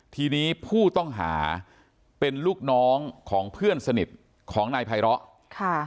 ทีนี้ผู้ต้องหาเป็นลูกน้องของเพื่อนสนิทของนายไพร้อค่ะ